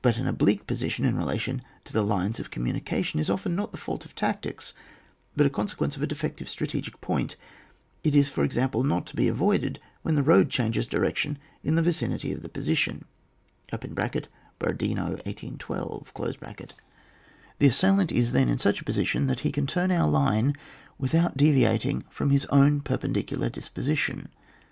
But an oblique position in rela tion to the lines of communication is often not the fault of tactics but a consequence of a defective strategic point; it is, for example, not to be avoided when the road changes direction in the vicinity of the position (Borodino, 1812); the assail ant is then in such a position that he can turn our line mthout deviating from his own perpendicular disposition.